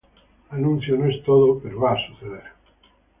Anunció: "No es todo, pero va suceder".